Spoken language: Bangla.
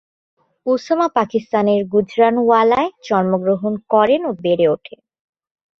উসামা পাকিস্তানের গুজরানওয়ালায় জন্মগ্রহণ করেন ও বেড়ে ওঠেন।